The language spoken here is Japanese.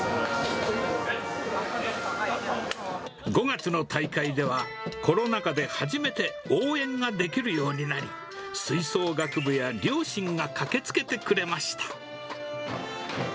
５月の大会では、コロナ禍で初めて、応援ができるようになり、吹奏楽部や両親が駆けつけてくれました。